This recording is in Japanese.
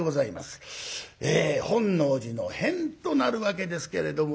本能寺の変となるわけですけれどもね。